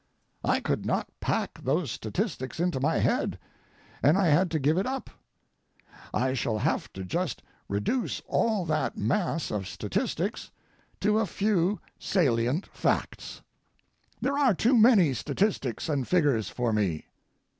I could not pack those statistics into my head, and I had to give it up. I shall have to just reduce all that mass of statistics to a few salient facts. There are too many statistics and figures for me.